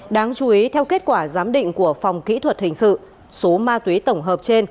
đáng chú ý theo kết quả giám định của phòng kỹ thuật hình sự số ma túy tổng hợp trên